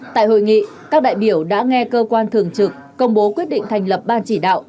tại hội nghị các đại biểu đã nghe cơ quan thường trực công bố quyết định thành lập ban chỉ đạo